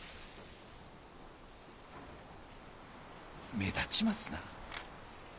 目立ちますな。